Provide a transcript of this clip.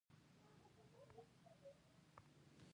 د ځینو هېوادونو لرغوني توکي پر ځمکې وي.